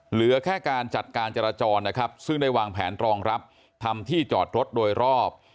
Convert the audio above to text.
เหลือแค่การจัดการจราจรนะครับซึ่งได้วางแผนรองรับทำที่จอดรถโดยรอบ